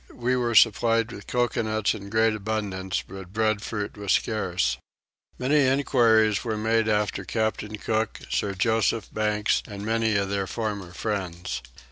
We were supplied with coconuts in great abundance but breadfruit was scarce. Many enquiries were made after Captain Cook, Sir Joseph Banks, and many of their former friends.